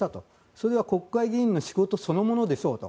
それは国会議員の仕事そのものでしょうと。